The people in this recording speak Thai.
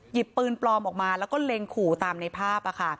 หยิบปืนปลอมออกมาแล้วก็เล็งขู่ตามในภาพ